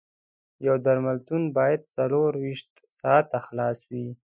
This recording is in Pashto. یو درملتون باید څلور ویشت ساعته خلاص وي